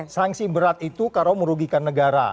sanksi berat itu kalau merugikan negara